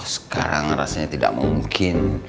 sekarang rasanya tidak mungkin